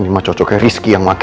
ini mah cocoknya rizky yang pakai